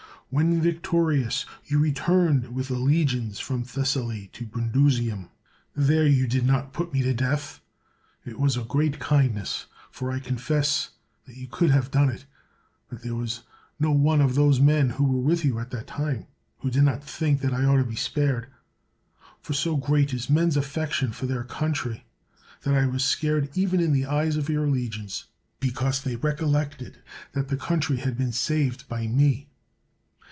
When victorious, you returned with the legions from Thessaly to Brundusium. There you did not put me to death. It was a great kindness ! for I confess that you could have done it But there was no one of those men who were with you at that time, who did not think that I ought to be spared. For so great is men's affection for their country, that I was sacred even in the eyes of your legions, because they recollected that the country had been saved by me.